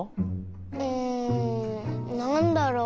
うんなんだろう？